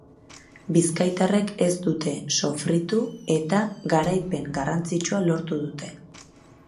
Bizkaitarrek ez dute sofritu eta garaipen garrantzitsua lortu dute.